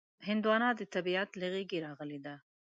هندوانه د طبیعت له غېږې راغلې ده.